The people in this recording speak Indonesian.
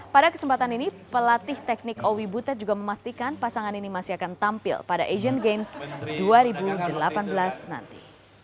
pada kesempatan ini pelatih teknik owi butet juga memastikan pasangan ini masih akan tampil pada asian games dua ribu delapan belas nanti